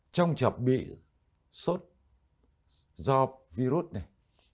trong trầm bị sốt do virus này